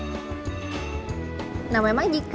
mereka juga memiliki pembentuk yang berbeda